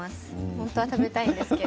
本当は食べたいんですけれど。